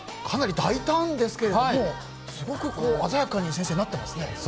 かなり大胆ですけれどもすごく鮮やかになっていますね。